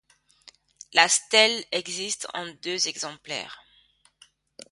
La stèle existe en deux exemplaires.